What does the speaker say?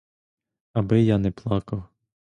Аби я не плакав.